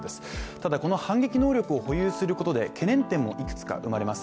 ただ、この反撃能力を保有することで懸念点もいくつか生まれます。